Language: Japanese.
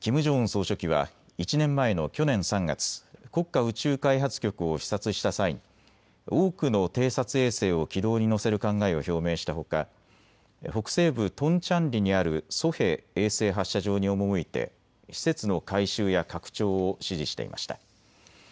総書記は１年前の去年３月、国家宇宙開発局を視察した際に多くの偵察衛星を軌道に乗せる考えを表明したほか北西部トンチャンリにあるソヘ衛星発射場に赴いて施設の改修や拡張を指示していました。